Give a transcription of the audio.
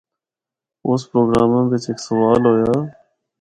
اُس پروگراما بچ ہک سوال ہویا۔